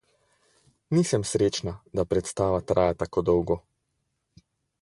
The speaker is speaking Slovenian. Nisem srečna, da predstava traja tako dolgo.